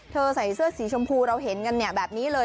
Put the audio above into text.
ใส่เสื้อสีชมพูเราเห็นกันแบบนี้เลย